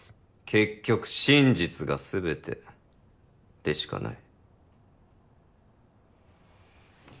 結局真実が全てでしかない。